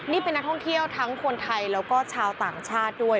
นี่เป็นนักท่องเที่ยวทั้งคนไทยแล้วก็ชาวต่างชาติด้วย